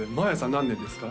何年ですか？